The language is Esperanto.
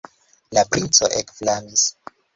La princo ekflamis.